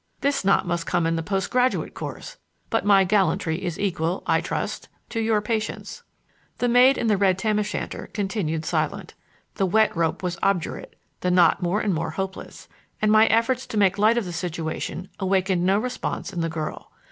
This knot must come in the post graduate course. But my gallantry is equal, I trust, to your patience." The maid in the red tam o' shanter continued silent. The wet rope was obdurate, the knot more and more hopeless, and my efforts to make light of the situation awakened no response in the girl.